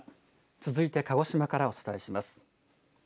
続いて鹿児島からお伝えします。